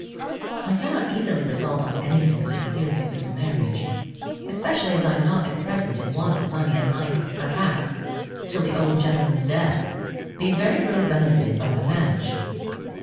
I cannot easily resolve on anything so serious as marriage; especially as I am not at present in want of money, and might perhaps, till the old gentleman's death, be very little benefited by the match.